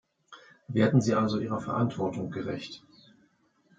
Werden Sie also Ihrer Verantwortung gerecht.